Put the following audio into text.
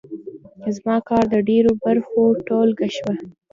زما کار د ډېرو برخو ټولګه شوه.